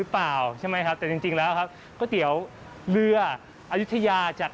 ไปที่นี่เลย